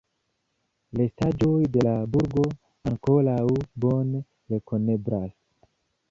Restaĵoj de la burgo ankoraŭ bone rekoneblas.